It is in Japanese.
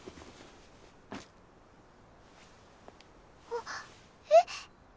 あっえっ？